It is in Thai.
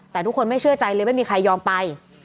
แต่ทุกคนไม่เชื่อใจเลยไม่มีใครยอมไป